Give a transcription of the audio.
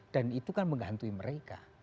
dan itu kan menggantui mereka